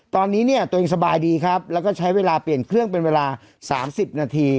ตอนนี้เนี่ยตัวเองสบายดีครับแล้วก็ใช้เวลาเปลี่ยนเครื่องเป็นเวลา๓๐นาที